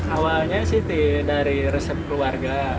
awalnya sih dari resep keluarga